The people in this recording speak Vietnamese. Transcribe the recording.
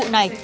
ở dịch vụ này